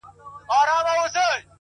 صدقه دي سم تر تكــو تــورو سترگو ـ